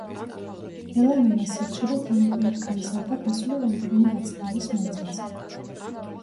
მელანომას სიხშირე დრამატულად გაიზარდა გასული რამდენიმე ათწლეულის მანძილზე.